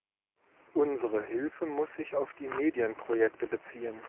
Unsere Hilfe muss sich auf die Medienprojekte beziehen.